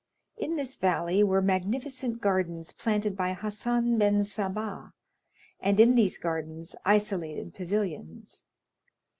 In this valley were magnificent gardens planted by Hassen ben Sabah, and in these gardens isolated pavilions.